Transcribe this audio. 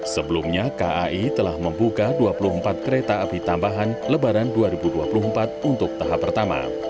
sebelumnya kai telah membuka dua puluh empat kereta api tambahan lebaran dua ribu dua puluh empat untuk tahap pertama